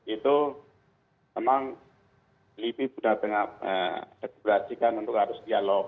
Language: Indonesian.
itu memang lebih mudah dengan berhasil kan untuk harus dialog